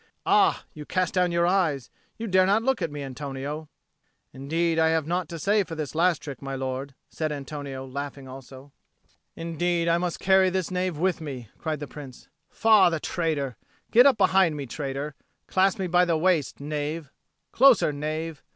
Ah, you cast down your eyes! You dare not look at me, Antonio." "Indeed I have naught to say for this last trick, my lord," said Antonio, laughing also. "Indeed I must carry this knave with me!" cried the Prince. "Faugh, the traitor! Get up behind me, traitor! Clasp me by the waist, knave! Closer, knave!